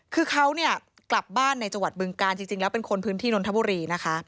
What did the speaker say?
คือเขาเนี่ยกลับบ้านในจังหวัดบึงการจริงแล้วเป็นคนพื้นที่นนทบุรีนะคะ